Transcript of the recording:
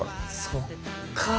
そっかぁ。